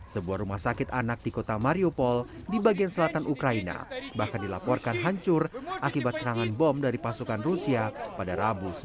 sebuah rumah sakit anak di kota mariupol di bagian selatan ukraina bahkan dilaporkan hancur akibat serangan bom dari pasukan rusia pada rabu sembilan